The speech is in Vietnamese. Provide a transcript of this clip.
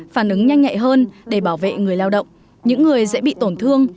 phản ứng nhanh nhạy hơn để bảo vệ người lao động những người dễ bị tổn thương